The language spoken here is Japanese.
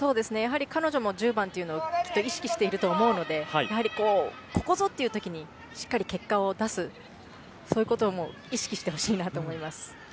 彼女も１０番というのをきっと意識していると思うのでここぞという時に結果を出すそういうことを意識してほしいなと思います。